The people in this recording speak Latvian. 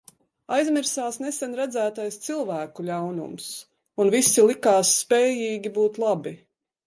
Aizmirsās nesen redzētais cilvēku ļaunums, un visi likās spējīgi būt labi.